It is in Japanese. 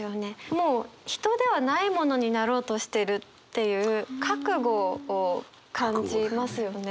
もう人ではないものになろうとしてるっていう覚悟を感じますよね。